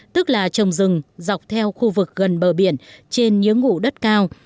tức là trồng rừng dọc theo khu vực gần bờ biển trên những ngụ đất cao